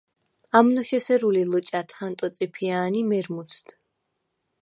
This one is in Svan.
ამნოშ ესერუ ლი ლჷჭა̈თ ჰანტო წიფია̄ნ ი მერმუცდ!